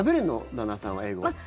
旦那さんは英語。